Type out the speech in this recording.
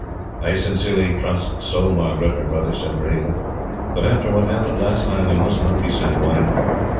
"I sincerely trust so, Margaret," her brother said gravely; "but, after what happened last time, we must not be sanguine.